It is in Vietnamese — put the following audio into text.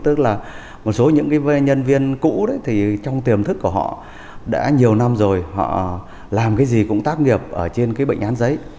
tức là một số những nhân viên cũ trong tiềm thức của họ đã nhiều năm rồi họ làm cái gì cũng tác nghiệp trên bệnh án giấy